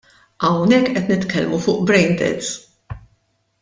Hawnhekk qed nitkellmu fuq brain deads.